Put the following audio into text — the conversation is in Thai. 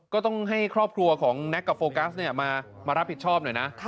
ก็ต้องให้ครอบครัวของแน็กกับโฟกัสมารับผิดชอบหน่อยนะ